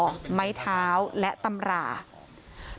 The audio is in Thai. เป็นพระรูปนี้เหมือนเคี้ยวเหมือนกำลังทำปากขมิบท่องกระถาอะไรสักอย่าง